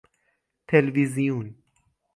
تلویزیون